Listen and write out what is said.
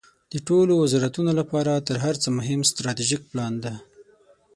د ټولو وزارتونو لپاره تر هر څه مهم استراتیژیک پلان ده.